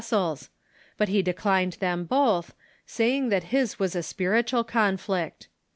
ties, but he dechned them both, saying that his was a spiritual conflict.